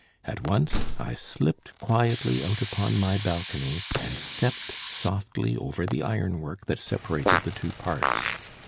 At once I slipped quietly out upon my balcony, and stepped softly over the ironwork that separated the two parts.